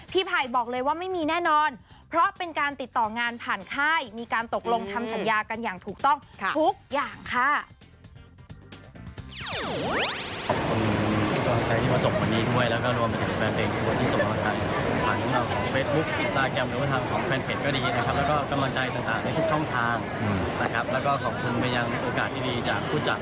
ไผ่บอกเลยว่าไม่มีแน่นอนเพราะเป็นการติดต่องานผ่านค่ายมีการตกลงทำสัญญากันอย่างถูกต้องทุกอย่างค่ะ